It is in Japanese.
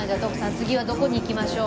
次はどこに行きましょう？